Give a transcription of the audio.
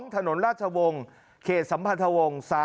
ถนนราชวงศ์เขตสัมพันธวงศ์